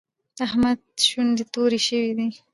د احمد شونډې تورې شوې دي.